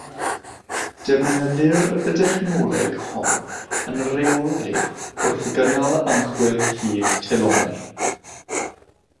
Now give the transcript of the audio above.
Defnyddir y dechneg hon yn reolaidd wrth gynnal ymchwil hyd telomer.